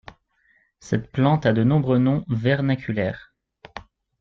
Cette plante a de nombreux noms vernaculaires.